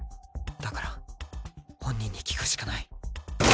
だから本人に聞くしかない。